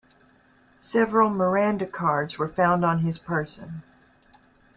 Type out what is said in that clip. Several Miranda cards were found on his person.